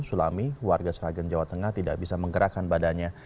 sulami warga sragen jawa tengah tidak bisa menggerakkan badannya